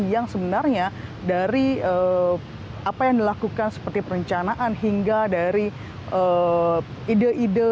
yang sebenarnya dari apa yang dilakukan seperti perencanaan hingga dari ide ide